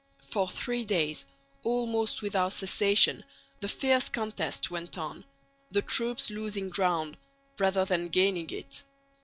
For three days almost without cessation the fierce contest went on, the troops losing ground rather than gaining it.